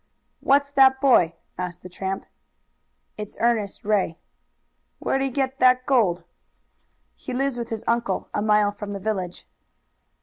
"What's that boy?" asked the tramp. "It's Ernest Ray." "Where'd he get that gold?" "He lives with his uncle, a mile from the village."